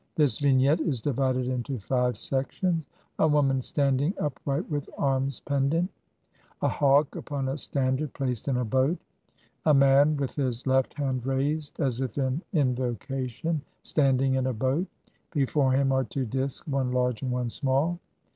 This Vignette is divided into five sections: —• (1) A woman standing upright with arms pendent. (2) A hawk upon a standard placed in a boat. (3) A man, with his left hand raised as if in invocation, standing in a boat ; before him are two disks, one large and one small.